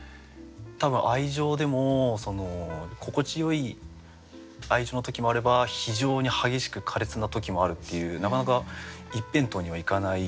多分愛情でも心地よい愛情の時もあれば非常に激しく苛烈な時もあるっていうなかなか一辺倒にはいかない。